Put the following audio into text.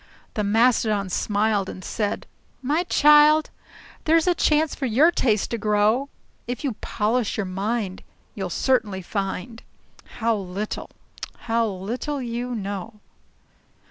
The Mastodon smiled and said, "My child, There's a chance for your taste to grow. If you polish your mind, you'll certainly find How little, how little you know."